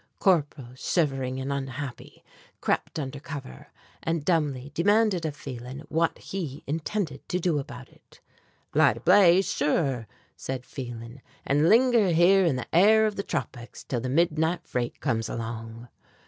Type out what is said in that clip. Corporal, shivering and unhappy, crept under cover, and dumbly demanded of Phelan what he intended to do about it. "Light a blaze, sure," said Phelan, "and linger here in the air of the tropics till the midnight freight comes along."